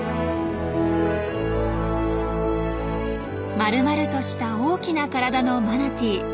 まるまるとした大きな体のマナティー。